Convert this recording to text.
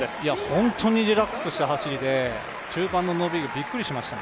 本当にリラックスした走りで中盤の伸びがびっくりしました。